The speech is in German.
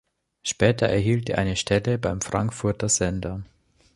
Später erhielt er eine Stelle beim Frankfurter Sender.